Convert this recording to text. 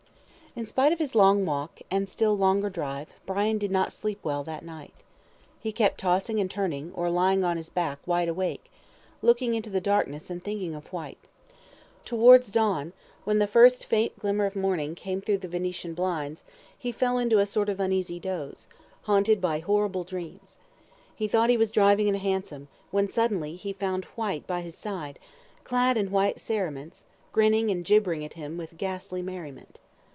In spite of his long walk, and still longer drive, Brian did not sleep well that night. He kept tossing and turning, or lying on his back, wide awake, looking into the darkness and thinking of Whyte. Towards dawn, when the first faint glimmer of morning came through the venetian blinds, he fell into a sort of uneasy doze, haunted by horrible dreams. He thought he was driving in a hansom, when suddenly he found Whyte by his side, clad in white cerements, grinning and gibbering at him with ghastly merriment.